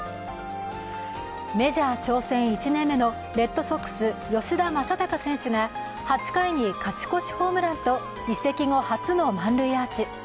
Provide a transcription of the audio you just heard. メジャー挑戦１年目のレッドソックス・吉田正尚選手が８回に勝ち越しホームランと移籍後、初の満塁アーチ。